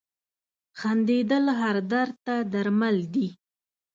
• خندېدل هر درد ته درمل دي.